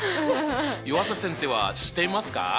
湯浅先生は知っていますか？